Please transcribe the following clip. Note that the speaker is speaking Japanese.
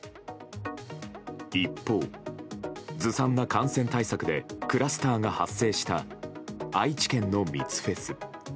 一方、ずさんな感染対策でクラスターが発生した愛知県の密フェス。